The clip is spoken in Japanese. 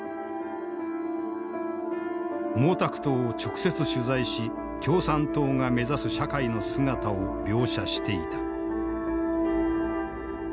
毛沢東を直接取材し共産党が目指す社会の姿を描写していた。